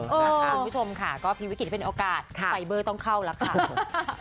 เอาจริงคุณผู้ชมค่ะก็พี่วิกฤตเป็นโอกาสไปเบอร์ต้องเข้าละค่ะ